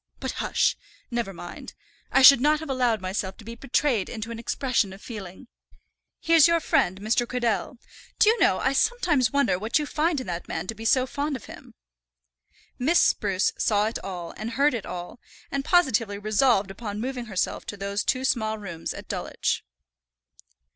But, hush, never mind. I should not have allowed myself to be betrayed into an expression of feeling. Here's your friend Mr. Cradell. Do you know I sometimes wonder what you find in that man to be so fond of him." Miss Spruce saw it all, and heard it all, and positively resolved upon moving herself to those two small rooms at Dulwich.